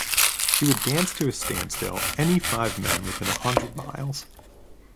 She would dance to a standstill any five men within a hundred miles.